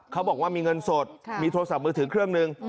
เขาบอกว่ามีเงินสดมีโทรศัพท์มือถือเครื่องหนึ่ง